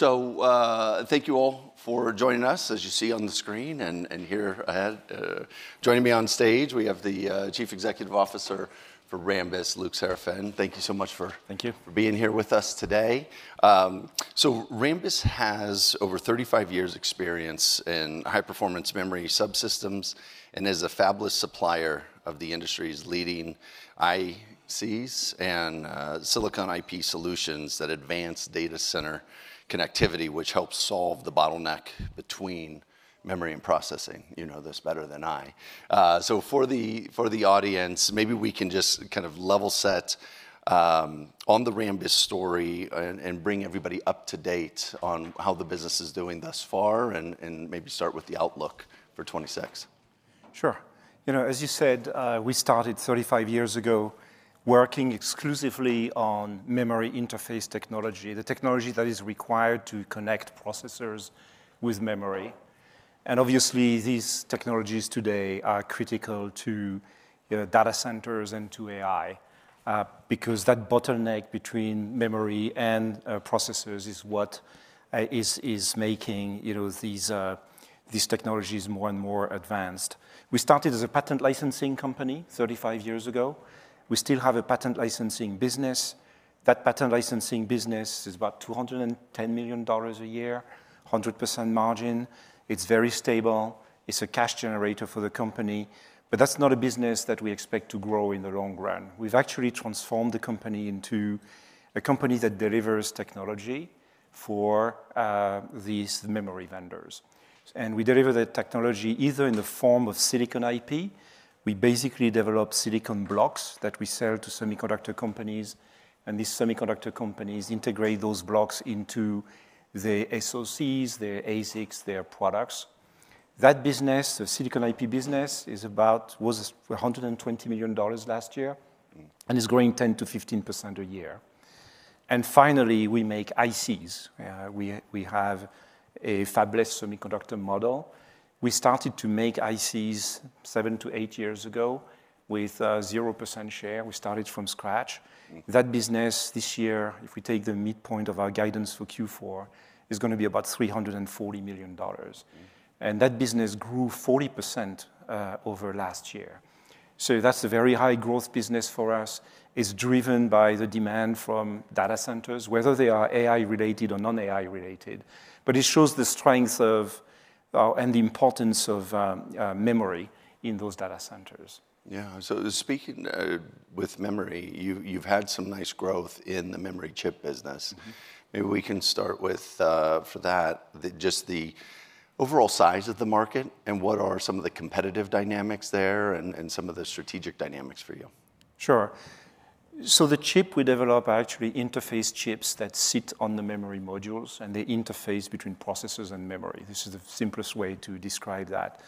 So, thank you all for joining us, as you see on the screen and here ahead. Joining me on stage, we have the Chief Executive Officer for Rambus, Luc Seraphin. Thank you so much for. Thank you. For being here with us today. So, Rambus has over 35 years' experience in high-performance memory subsystems and is a fabulous supplier of the industry's leading ICs and Silicon IP solutions that advance data center connectivity, which helps solve the bottleneck between memory and processing. You know this better than I. So, for the audience, maybe we can just kind of level set on the Rambus story and bring everybody up to date on how the business is doing thus far, and maybe start with the outlook for 2026. Sure. You know, as you said, we started 35 years ago working exclusively on memory interface technology, the technology that is required to connect processors with memory. And obviously, these technologies today are critical to data centers and to AI because that bottleneck between memory and processors is what is making these technologies more and more advanced. We started as a patent licensing company 35 years ago. We still have a patent licensing business. That patent licensing business is about $210 million a year, 100% margin. It's very stable. It's a cash generator for the company. But that's not a business that we expect to grow in the long run. We've actually transformed the company into a company that delivers technology for these memory vendors. And we deliver the technology either in the form of Silicon IP. We basically develop silicon blocks that we sell to semiconductor companies, and these semiconductor companies integrate those blocks into their SoCs, their ASICs, their products. That business, the Silicon IP business, was $120 million last year and is growing 10%-15% a year. Finally, we make ICs. We have a fabless semiconductor model. We started to make ICs seven to eight years ago with a 0% share. We started from scratch. That business this year, if we take the midpoint of our guidance for Q4, is going to be about $340 million. And that business grew 40% over last year. That's a very high-growth business for us. It's driven by the demand from data centers, whether they are AI-related or non-AI-related. It shows the strength and the importance of memory in those data centers. Yeah. So speaking of memory, you've had some nice growth in the memory chip business. Maybe we can start with, for that, just the overall size of the market and what are some of the competitive dynamics there and some of the strategic dynamics for you? Sure, so the chip we develop actually interface chips that sit on the memory modules and the interface between processors and memory. This is the simplest way to describe that.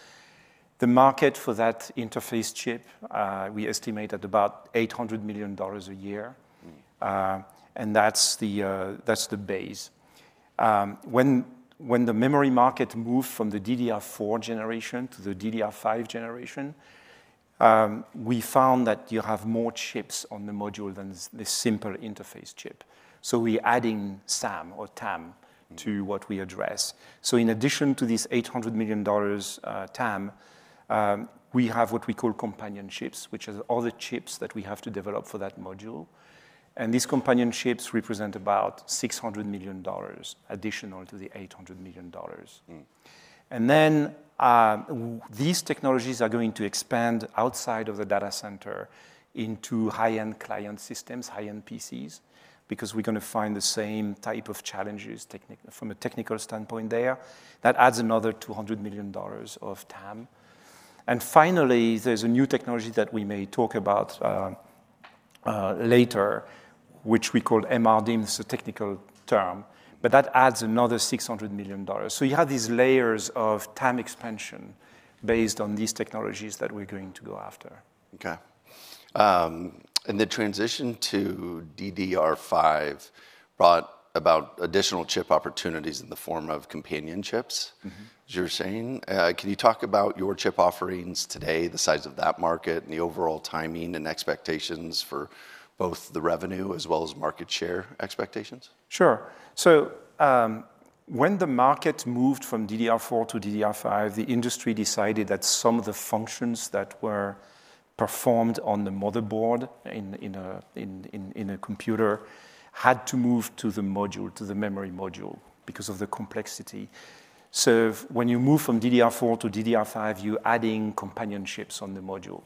The market for that interface chip, we estimate at about $800 million a year, and that's the base. When the memory market moved from the DDR4 generation to the DDR5 generation, we found that you have more chips on the module than the simple interface chip, so we're adding SAM or TAM to what we address, so in addition to these $800 million TAM, we have what we call companion chips, which are all the chips that we have to develop for that module, and these companion chips represent about $600 million additional to the $800 million. And then these technologies are going to expand outside of the data center into high-end client systems, high-end PCs, because we're going to find the same type of challenges from a technical standpoint there. That adds another $200 million of TAM. And finally, there's a new technology that we may talk about later, which we call MRDIMM. It's a technical term, but that adds another $600 million. So you have these layers of TAM expansion based on these technologies that we're going to go after. Okay. And the transition to DDR5 brought about additional chip opportunities in the form of companion chips, as you were saying. Can you talk about your chip offerings today, the size of that market, and the overall timing and expectations for both the revenue as well as market share expectations? Sure. So when the market moved from DDR4 to DDR5, the industry decided that some of the functions that were performed on the motherboard in a computer had to move to the module, to the memory module, because of the complexity. So when you move from DDR4 to DDR5, you're adding companion chips on the module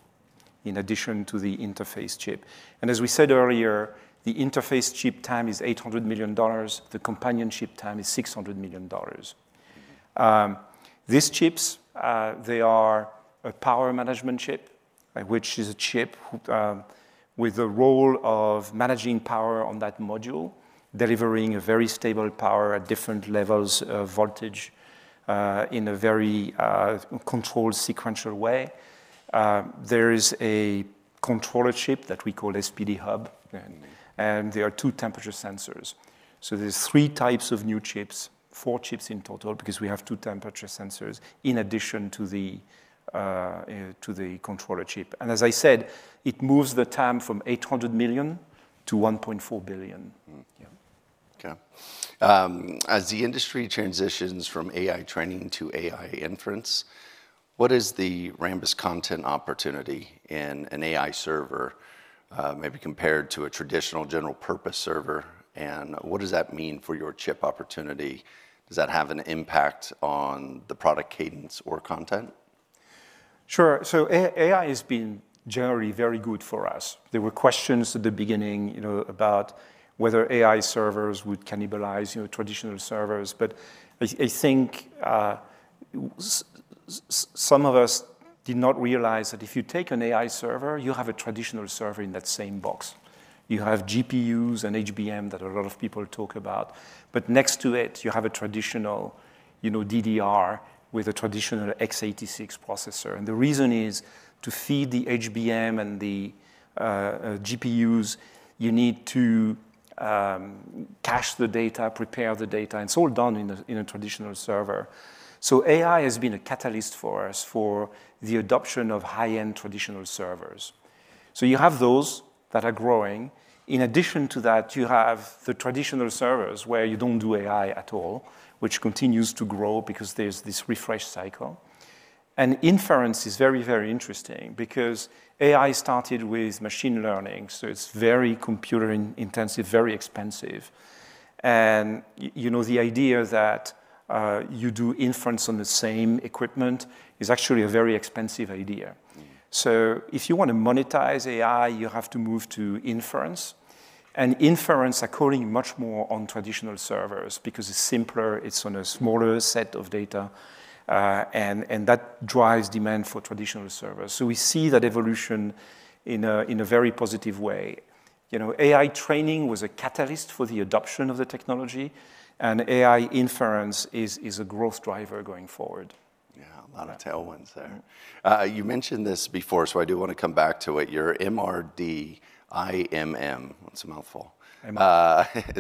in addition to the interface chip. And as we said earlier, the interface chip TAM is $800 million. The companion chip TAM is $600 million. These chips, they are a power management chip, which is a chip with the role of managing power on that module, delivering a very stable power at different levels of voltage in a very controlled sequential way. There is a controller chip that we call SPD Hub, and there are two temperature sensors. So there's three types of new chips, four chips in total, because we have two temperature sensors in addition to the controller chip. And as I said, it moves the TAM from $800 million to $1.4 billion. Okay. As the industry transitions from AI training to AI inference, what is the Rambus content opportunity in an AI server, maybe compared to a traditional general-purpose server? And what does that mean for your chip opportunity? Does that have an impact on the product cadence or content? Sure. So AI has been generally very good for us. There were questions at the beginning about whether AI servers would cannibalize traditional servers. But I think some of us did not realize that if you take an AI server, you have a traditional server in that same box. You have GPUs and HBM that a lot of people talk about. But next to it, you have a traditional DDR with a traditional x86 processor. And the reason is to feed the HBM and the GPUs, you need to cache the data, prepare the data. And it's all done in a traditional server. So AI has been a catalyst for us for the adoption of high-end traditional servers. So you have those that are growing. In addition to that, you have the traditional servers where you don't do AI at all, which continues to grow because there's this refresh cycle. Inference is very, very interesting because AI started with machine learning. It's very computer-intensive, very expensive. The idea that you do inference on the same equipment is actually a very expensive idea. If you want to monetize AI, you have to move to inference. And inference, according much more on traditional servers because it's simpler, it's on a smaller set of data, and that drives demand for traditional servers. We see that evolution in a very positive way. AI training was a catalyst for the adoption of the technology, and AI inference is a growth driver going forward. Yeah, a lot of tailwinds there. You mentioned this before, so I do want to come back to it. Your MRDIMM, that's a mouthful,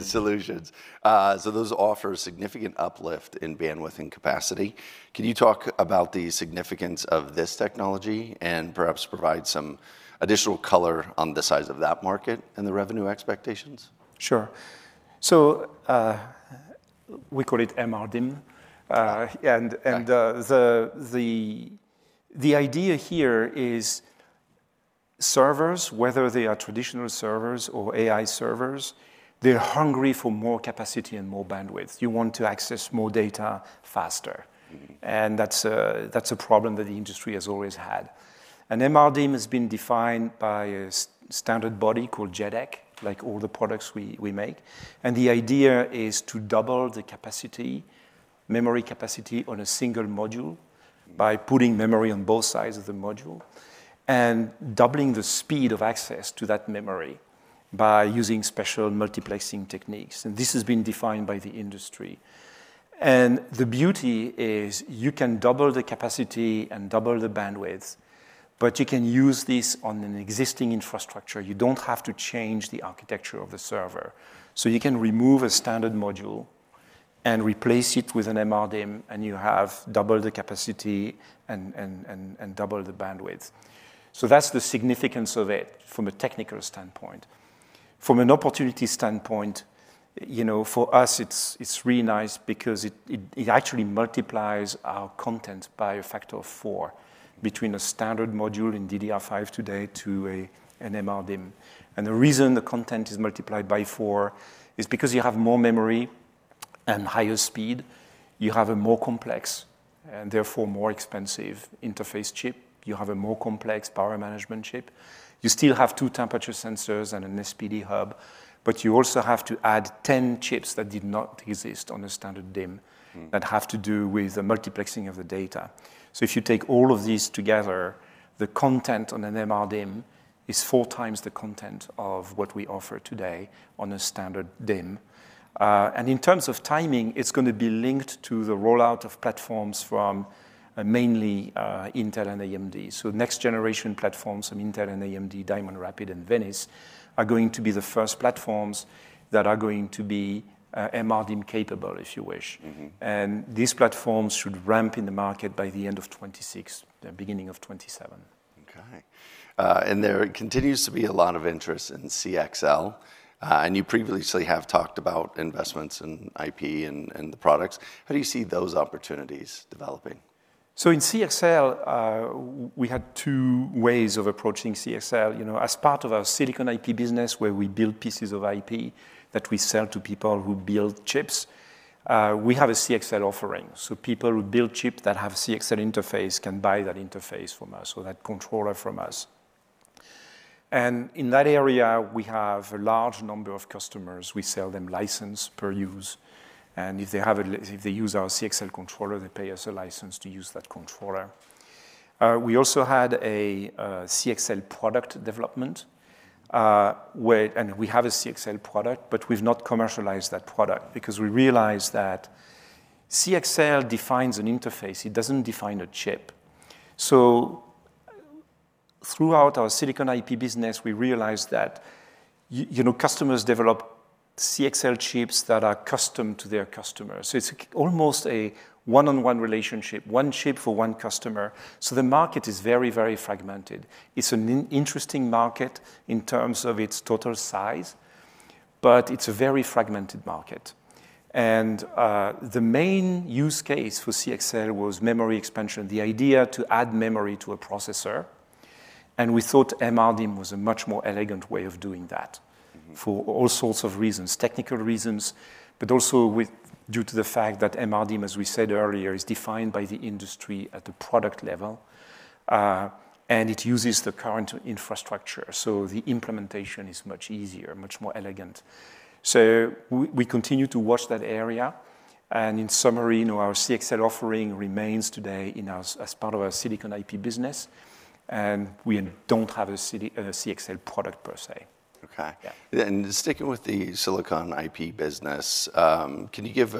solutions. So those offer a significant uplift in bandwidth and capacity. Can you talk about the significance of this technology and perhaps provide some additional color on the size of that market and the revenue expectations? Sure. So we call it MRDIMM. And the idea here is servers, whether they are traditional servers or AI servers, they're hungry for more capacity and more bandwidth. You want to access more data faster. And that's a problem that the industry has always had. And MRDIMM has been defined by a standard body called JEDEC, like all the products we make. And the idea is to double the capacity, memory capacity on a single module by putting memory on both sides of the module and doubling the speed of access to that memory by using special multiplexing techniques. And this has been defined by the industry. And the beauty is you can double the capacity and double the bandwidth, but you can use this on an existing infrastructure. You don't have to change the architecture of the server. So you can remove a standard module and replace it with an MRDIMM, and you have double the capacity and double the bandwidth. So that's the significance of it from a technical standpoint. From an opportunity standpoint, for us, it's really nice because it actually multiplies our content by a factor of four between a standard module in DDR5 today to an MRDIMM. And the reason the content is multiplied by four is because you have more memory and higher speed. You have a more complex and therefore more expensive interface chip. You have a more complex power management chip. You still have two temperature sensors and an SPD Hub, but you also have to add 10 chips that did not exist on a standard DIMM that have to do with the multiplexing of the data. So if you take all of these together, the content on an MRDIMM is four times the content of what we offer today on a standard DIMM. And in terms of timing, it's going to be linked to the rollout of platforms from mainly Intel and AMD. So next-generation platforms from Intel and AMD, Diamond Rapids and Venice, are going to be the first platforms that are going to be MRDIMM-capable, if you wish. And these platforms should ramp in the market by the end of 2026, the beginning of 2027. Okay. And there continues to be a lot of interest in CXL. And you previously have talked about investments in IP and the products. How do you see those opportunities developing? So in CXL, we had two ways of approaching CXL. As part of our Silicon IP business, where we build pieces of IP that we sell to people who build chips, we have a CXL offering. So people who build chips that have a CXL interface can buy that interface from us or that controller from us. And in that area, we have a large number of customers. We sell them license per use. And if they use our CXL controller, they pay us a license to use that controller. We also had a CXL product development, and we have a CXL product, but we've not commercialized that product because we realized that CXL defines an interface. It doesn't define a chip. So throughout our Silicon IP business, we realized that customers develop CXL chips that are custom to their customers. So it's almost a one-on-one relationship, one chip for one customer. So the market is very, very fragmented. It's an interesting market in terms of its total size, but it's a very fragmented market. And the main use case for CXL was memory expansion, the idea to add memory to a processor. And we thought MRDIMM was a much more elegant way of doing that for all sorts of reasons, technical reasons, but also due to the fact that MRDIMM, as we said earlier, is defined by the industry at the product level, and it uses the current infrastructure. So the implementation is much easier, much more elegant. So we continue to watch that area. And in summary, our CXL offering remains today as part of our Silicon IP business, and we don't have a CXL product per se. Okay. And sticking with the Silicon IP business, can you give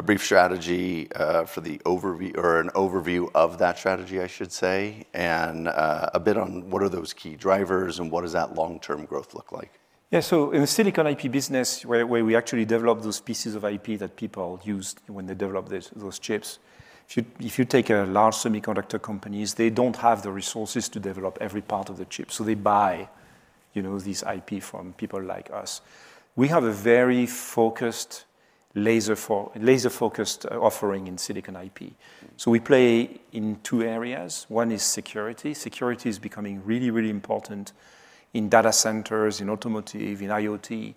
a brief strategy for an overview of that strategy, I should say, and a bit on what are those key drivers and what does that long-term growth look like? Yeah. So in the Silicon IP business, where we actually develop those pieces of IP that people used when they developed those chips, if you take large semiconductor companies, they don't have the resources to develop every part of the chip. So they buy this IP from people like us. We have a very focused laser-focused offering in Silicon IP. So we play in two areas. One is security. Security is becoming really, really important in data centers, in automotive, in IoT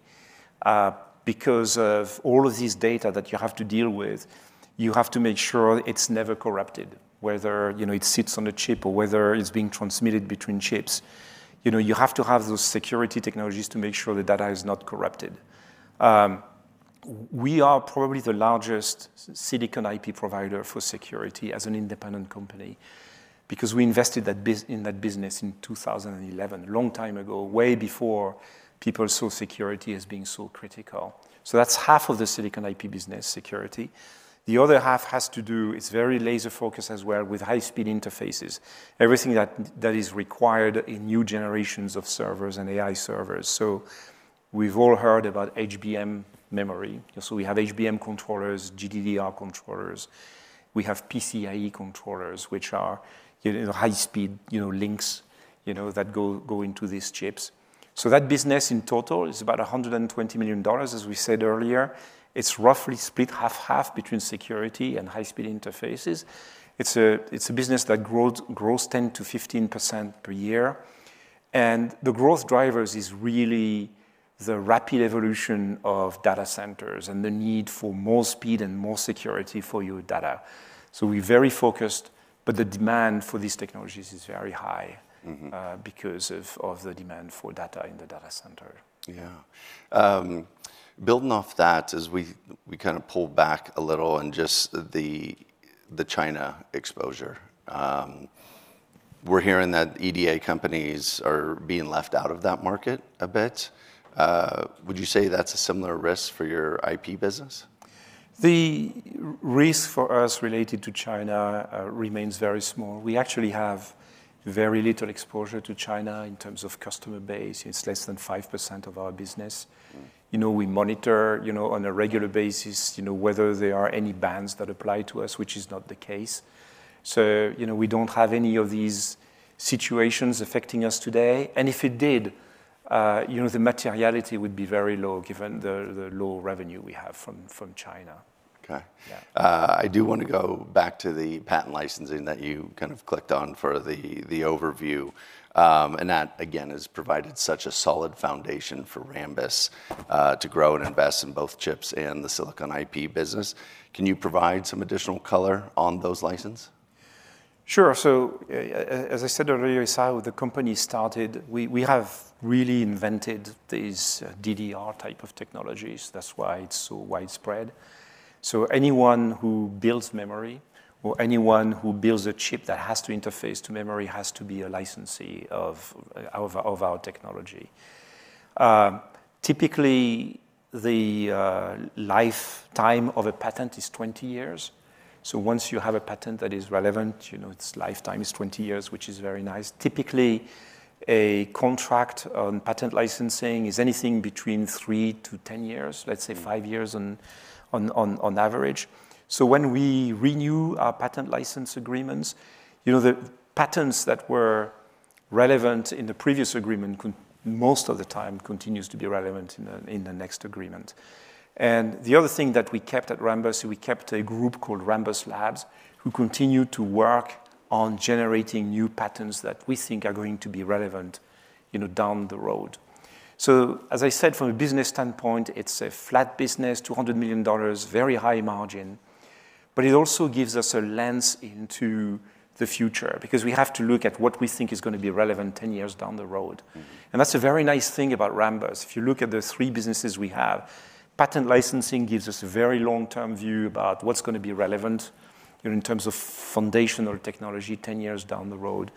because of all of this data that you have to deal with. You have to make sure it's never corrupted, whether it sits on the chip or whether it's being transmitted between chips. You have to have those security technologies to make sure the data is not corrupted. We are probably the largest silicon IP provider for security as an independent company because we invested in that business in 2011, a long time ago, way before people saw security as being so critical. So that's half of the silicon IP business, security. The other half has to do. It's very laser-focused as well with high-speed interfaces, everything that is required in new generations of servers and AI servers. So we've all heard about HBM memory. So we have HBM controllers, GDDR controllers. We have PCIe controllers, which are high-speed links that go into these chips. So that business in total is about $120 million, as we said earlier. It's roughly split half-half between security and high-speed interfaces. It's a business that grows 10%-15% per year. The growth drivers is really the rapid evolution of data centers and the need for more speed and more security for your data. We're very focused, but the demand for these technologies is very high because of the demand for data in the data center. Yeah. Building off that, as we kind of pull back a little on just the China exposure, we're hearing that EDA companies are being left out of that market a bit. Would you say that's a similar risk for your IP business? The risk for us related to China remains very small. We actually have very little exposure to China in terms of customer base. It's less than 5% of our business. We monitor on a regular basis whether there are any bans that apply to us, which is not the case, so we don't have any of these situations affecting us today, and if it did, the materiality would be very low given the low revenue we have from China. Okay. I do want to go back to the patent licensing that you kind of clicked on for the overview, and that, again, has provided such a solid foundation for Rambus to grow and invest in both chips and the Silicon IP business. Can you provide some additional color on those licenses? Sure, so as I said earlier, it's how the company started. We have really invented these DDR type of technologies. That's why it's so widespread, so anyone who builds memory or anyone who builds a chip that has to interface to memory has to be a licensee of our technology. Typically, the lifetime of a patent is 20 years, so once you have a patent that is relevant, its lifetime is 20 years, which is very nice. Typically, a contract on patent licensing is anything between 3 to 10 years, let's say 5 years on average, so when we renew our patent license agreements, the patents that were relevant in the previous agreement most of the time continue to be relevant in the next agreement. And the other thing that we kept at Rambus, we kept a group called Rambus Labs who continue to work on generating new patents that we think are going to be relevant down the road. So as I said, from a business standpoint, it's a flat business, $200 million, very high margin. But it also gives us a lens into the future because we have to look at what we think is going to be relevant 10 years down the road. And that's a very nice thing about Rambus. If you look at the three businesses we have, patent licensing gives us a very long-term view about what's going to be relevant in terms of foundational technology 10 years down the road.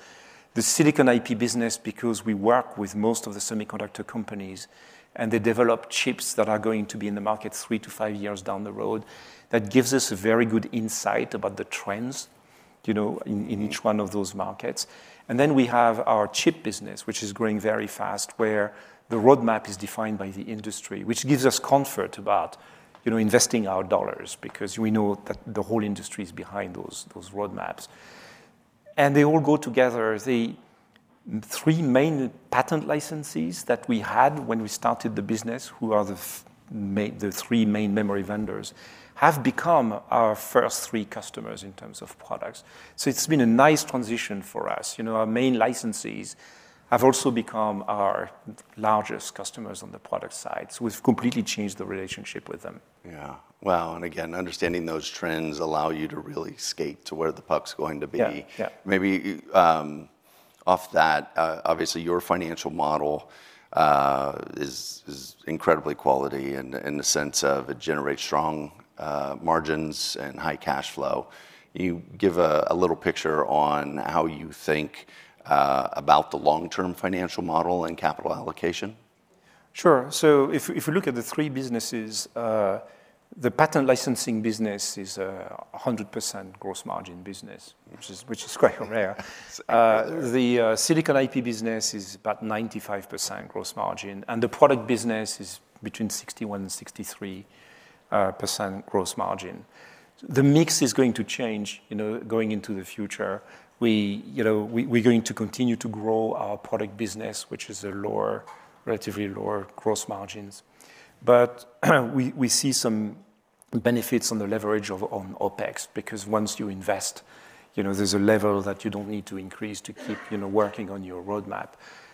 The silicon IP business, because we work with most of the semiconductor companies and they develop chips that are going to be in the market three to five years down the road, that gives us a very good insight about the trends in each one of those markets, and then we have our chip business, which is growing very fast, where the roadmap is defined by the industry, which gives us comfort about investing our dollars because we know that the whole industry is behind those roadmaps, and they all go together. The three main patent licenses that we had when we started the business, who are the three main memory vendors, have become our first three customers in terms of products, so it's been a nice transition for us. Our main licenses have also become our largest customers on the product side. So we've completely changed the relationship with them. Yeah. Wow. And again, understanding those trends allows you to really skate to where the puck's going to be. Maybe off that, obviously, your financial model is incredibly quality in the sense of it generates strong margins and high cash flow. Can you give a little picture on how you think about the long-term financial model and capital allocation? Sure. So if you look at the three businesses, the patent licensing business is a 100% gross margin business, which is quite rare. The Silicon IP business is about 95% gross margin. And the product business is between 61% and 63% gross margin. The mix is going to change going into the future. We're going to continue to grow our product business, which is relatively lower gross margins. But we see some benefits on the leverage on OpEx because once you invest, there's a level that you don't need to increase to keep working on your roadmap.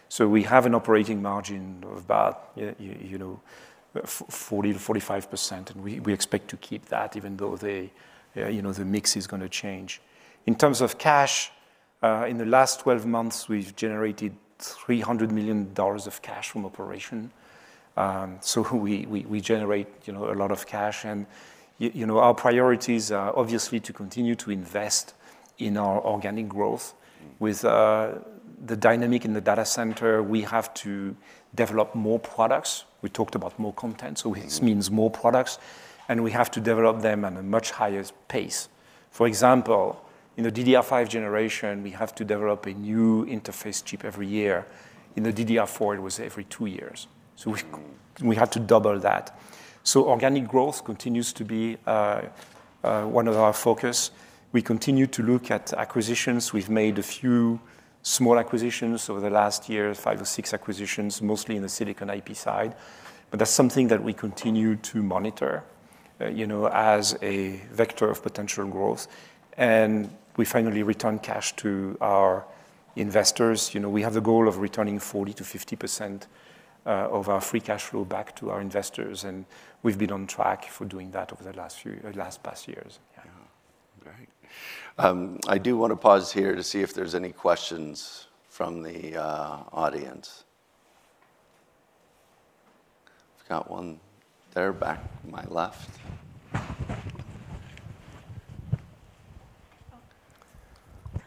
So we have an operating margin of about 40%-45%, and we expect to keep that even though the mix is going to change. In terms of cash, in the last 12 months, we've generated $300 million of cash from operations. So we generate a lot of cash. Our priorities are obviously to continue to invest in our organic growth. With the dynamic in the data center, we have to develop more products. We talked about more content, so this means more products. We have to develop them at a much higher pace. For example, in the DDR5 generation, we have to develop a new interface chip every year. In the DDR4, it was every two years. So we had to double that. Organic growth continues to be one of our focuses. We continue to look at acquisitions. We've made a few small acquisitions over the last year, five or six acquisitions, mostly in the Silicon IP side. That's something that we continue to monitor as a vector of potential growth. We finally return cash to our investors. We have the goal of returning 40%-50% of our free cash flow back to our investors, and we've been on track for doing that over the last past years. Yeah. Great. I do want to pause here to see if there's any questions from the audience. I've got one there back to my left.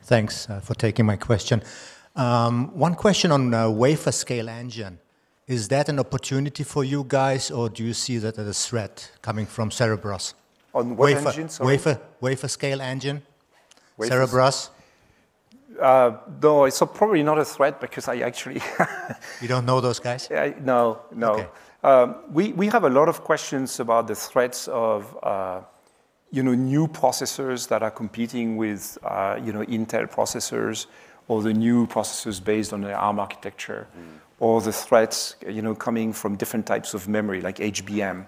Thanks for taking my question. One question on Wafer Scale Engine. Is that an opportunity for you guys, or do you see that as a threat coming from Cerebras? On what engine? Wafer Scale Engine, Cerebras? No, it's probably not a threat because I actually. You don't know those guys? No, no. We have a lot of questions about the threats of new processors that are competing with Intel processors or the new processors based on ARM architecture or the threats coming from different types of memory like HBM.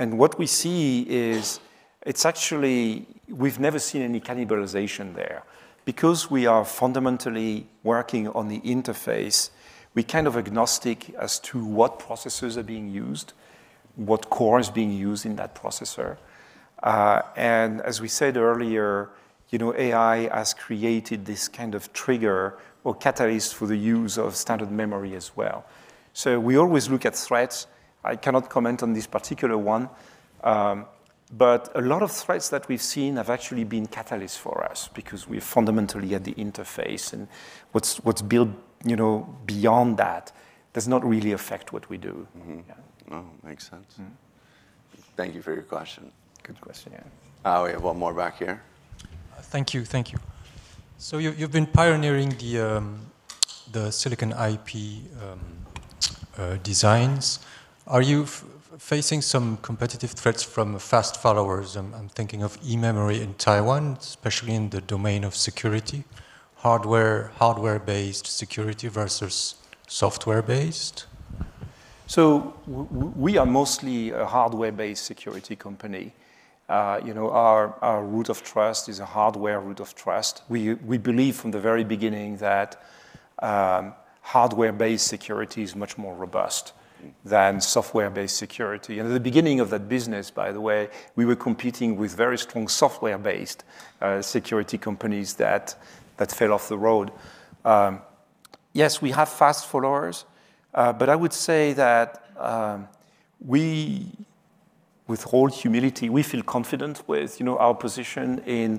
And what we see is it's actually we've never seen any cannibalization there. Because we are fundamentally working on the interface, we're kind of agnostic as to what processors are being used, what core is being used in that processor. And as we said earlier, AI has created this kind of trigger or catalyst for the use of standard memory as well. So we always look at threats. I cannot comment on this particular one. But a lot of threats that we've seen have actually been catalysts for us because we're fundamentally at the interface. And what's built beyond that does not really affect what we do. No, makes sense. Thank you for your question. Good question, yeah. We have one more back here. Thank you. Thank you. So you've been pioneering the Silicon IP designs. Are you facing some competitive threats from fast followers? I'm thinking of eMemory in Taiwan, especially in the domain of security, hardware-based security versus software-based. So we are mostly a hardware-based security company. Our root of trust is a hardware root of trust. We believe from the very beginning that hardware-based security is much more robust than software-based security. And at the beginning of that business, by the way, we were competing with very strong software-based security companies that fell off the road. Yes, we have fast followers. But I would say that with all humility, we feel confident with our position in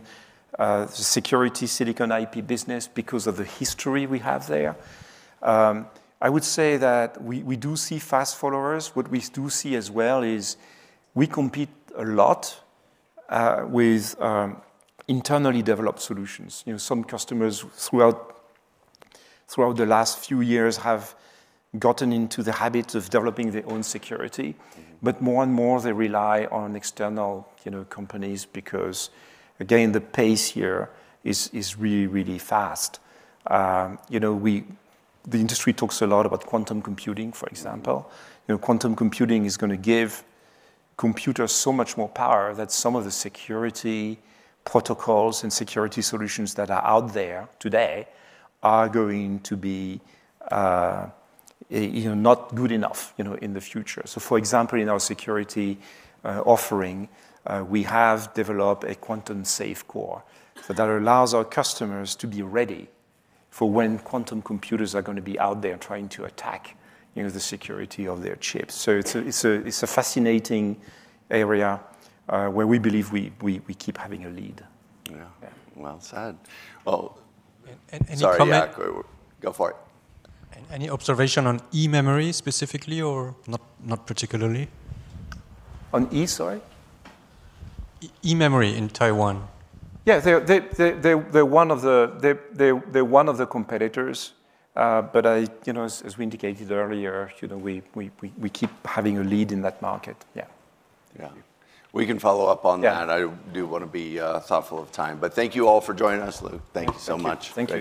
the security Silicon IP business because of the history we have there. I would say that we do see fast followers. What we do see as well is we compete a lot with internally developed solutions. Some customers throughout the last few years have gotten into the habit of developing their own security. But more and more, they rely on external companies because, again, the pace here is really, really fast. The industry talks a lot about quantum computing, for example. Quantum computing is going to give computers so much more power that some of the security protocols and security solutions that are out there today are going to be not good enough in the future. So, for example, in our security offering, we have developed a quantum safe core that allows our customers to be ready for when quantum computers are going to be out there trying to attack the security of their chips. So it's a fascinating area where we believe we keep having a lead. Yeah. Well said. Well, any comment? Sorry, go for it. Any observation on eMemory specifically or not particularly? On e? Sorry? eMemory in Taiwan. Yeah. They're one of the competitors. But as we indicated earlier, we keep having a lead in that market. Yeah. Yeah. We can follow up on that. I do want to be thoughtful of time. But thank you all for joining us, Luc. Thank you so much. Thank you.